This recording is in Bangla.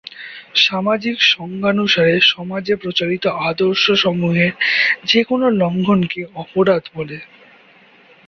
সামাজিক সংজ্ঞানুসারে সমাজে প্রচলিত আদর্শসমূহের যে কোনো লঙ্ঘণকে অপরাধ বলে।